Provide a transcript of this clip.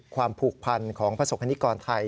ความผูกพันธ์ของประสบคณิกรไทย